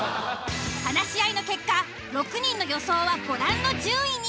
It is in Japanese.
話し合いの結果６人の予想はご覧の順位に。